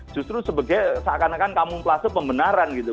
justru sebagai seakan akan kamumplase pembenaran gitu